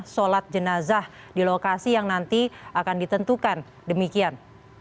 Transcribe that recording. sholat jenazah di lokasi yang nanti akan ditentukan demikian